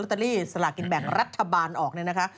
เตอรี่สลากินแบ่งรัฐบาลออกเนี่ยนะคะ